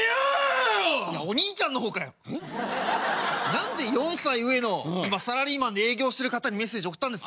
「何で４歳上の今サラリーマンで営業してる方にメッセージ送ったんですか？」。